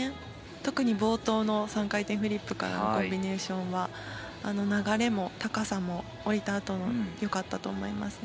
特に冒頭の３回転フリップからのコンビネーションは流れも高さも降りたあとも良かったと思います。